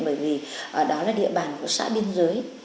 bởi vì đó là địa bàn của xã biên giới